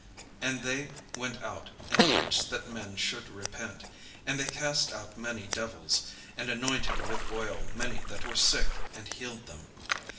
And they went out, and preached that men should repent. And they cast out many devils, and anointed with oil many that were sick, and healed them.